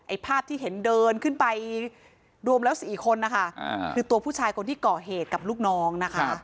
ภาพที่เห็นเดินขึ้นไปรวมแล้ว๔คนนะคะคือตัวผู้ชายคนที่ก่อเหตุกับลูกน้องนะคะ